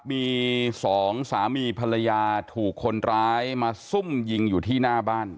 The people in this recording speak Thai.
มีสองสามีภรรยาถูกคนร้ายมาซุ่มยิงอยู่ที่หน้าบ้าน